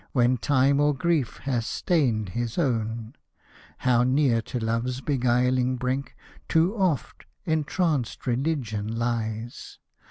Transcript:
When time or grief hath stain'd his own ! How near to Love's beguiling brink. Too oft, entranced Religion lies